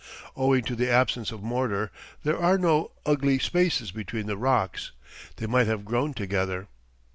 Owing to the absence of mortar, there are no ugly spaces between the rocks. They might have grown together.